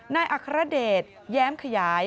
นายอาฆารเดสแย้มขยาย